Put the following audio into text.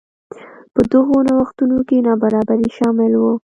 په دغو نوښتونو کې نابرابري شامل وو.